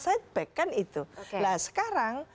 setback kan itu nah sekarang